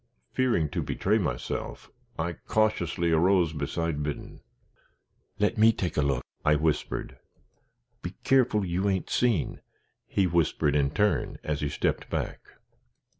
Fearing to betray myself, I cautiously arose beside Biddon. "Let me take a look," I whispered. "Be keerful you ain't seen," he whispered, in turn, as he stepped back.